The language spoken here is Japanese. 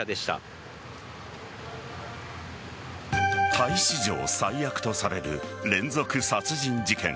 タイ史上最悪とされる連続殺人事件。